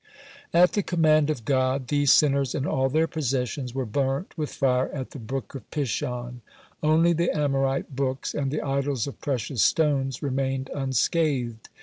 At the command of God these sinners and all their possessions were burnt with fire at the brook of Pishon. Only the Amorite books and the idols of precious stones remained unscathed.